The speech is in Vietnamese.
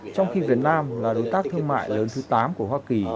trong khi việt nam là đối tác thương mại lớn thứ tám của hoa kỳ